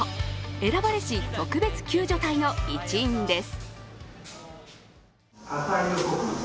選ばれし特別救助隊の一員です。